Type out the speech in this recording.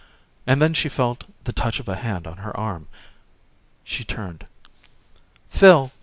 And then she felt the touch of a hand on her arm. She turned. "Phil!